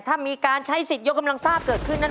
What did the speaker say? ถ้ามีการใช้สิทธิ์ยกกำลังทราบเกิดขึ้นนั่น